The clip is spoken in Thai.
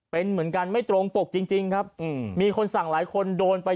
เป็นเหมือนกันไม่ตรงปกจริงครับมีคนสั่งหลายคนโดนไป